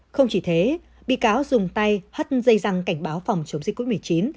không chỉ thế bị cáo dùng tay hất dây răng cảnh báo phòng chống dịch covid một mươi chín